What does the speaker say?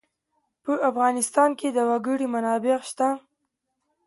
په افغانستان کې د وګړي منابع شته.